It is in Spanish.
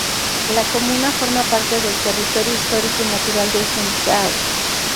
La comuna forma parte del territorio histórico y natural de Sundgau.